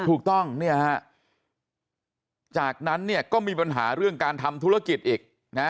ถูกต้องจากนั้นก็มีปัญหาเรื่องการทำธุรกิจอีก